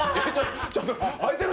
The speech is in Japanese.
はいてる？